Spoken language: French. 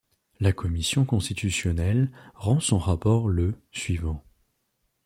La commission constitutionnelle rend son rapport le suivant.